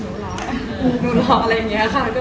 หนูรอและแบบนี้นะค่ะ